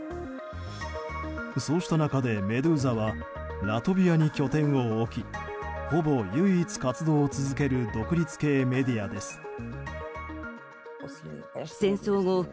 そうした中でメドゥーザはラトビアに拠点を置きほぼ唯一活動を続ける独立系メディアです。